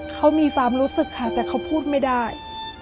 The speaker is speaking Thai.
เขามีความรู้สึกค่ะแต่เขาพูดไม่ได้